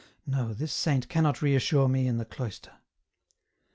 No ; this saint cannot reassure me in the cloister.